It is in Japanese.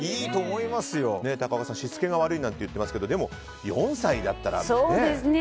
高岡さん、しつけが悪いなんて言ってますけどでも４歳だったらね。